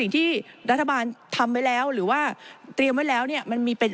ที่รัฐบาลทำไว้แล้วหรือว่าเตรียมไว้แล้วเนี่ยมันมีเป็น